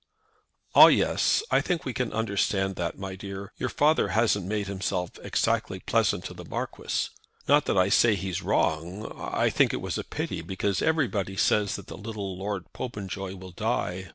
"Ah; yes. I think we can understand that, my dear. Your father hasn't made himself exactly pleasant to the Marquis. Not that I say he's wrong. I think it was a pity, because everybody says that the little Lord Popenjoy will die.